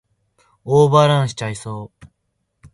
オーバーランしちゃいそう